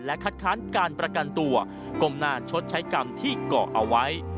คัดค้านการประกันตัวก้มหน้าชดใช้กรรมที่เกาะเอาไว้